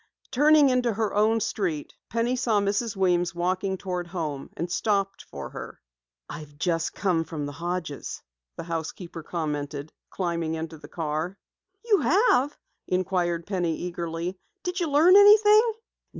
Turning into her own street, Penny saw Mrs. Weems walking toward home, and stopped for her. "I've just come from the Hodges'," the housekeeper commented, climbing into the car. "You have?" inquired Penny eagerly. "Did you learn anything?"